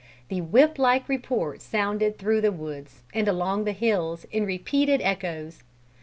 The whip like report resounded through the woods, and along the hills, in repeated echoes.